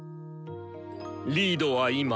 リードは今。